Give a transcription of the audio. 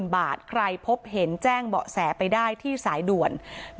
บาทใครพบเห็นแจ้งเบาะแสไปได้ที่สายด่วน